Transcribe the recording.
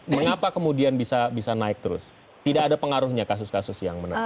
mengapa kemudian bisa naik terus tidak ada pengaruhnya kasus kasus yang menekan